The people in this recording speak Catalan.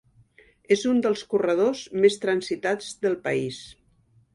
És un dels corredors més transitats del país.